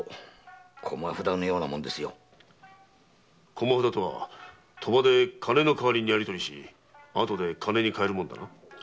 駒札とは賭場で金の代わりにやり取りし後で金に替える物か？